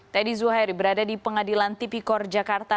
teddy zuhairi berada di pengadilan tipikor jakarta